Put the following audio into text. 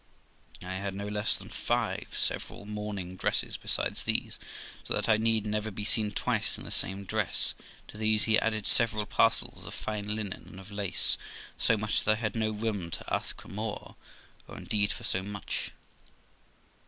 I had no less than five several morning dresses besides these, so that I need never be seen twice in the same dress ; to these he added several parcels of fine linen and of lace, so much that I had no room to ask for more, or, indeed, for so much.